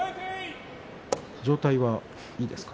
状態はいいですか？